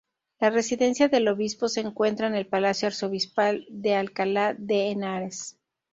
La residencia del obispo se encuentra en el Palacio arzobispal de Alcalá de Henares.